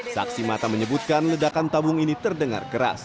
saksi mata menyebutkan ledakan tabung ini terdengar keras